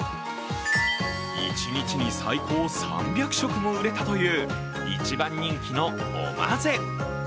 一日に最高３００食も売れたという一番人気のおまぜ。